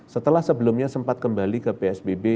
setelah sebelumnya sempat kembali ke psbb